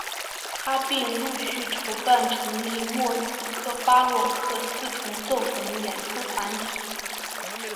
他并陆续筹办成立莫斯科巴洛克四重奏等演出团体。